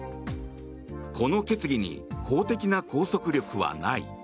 この決議に法的な拘束力はない。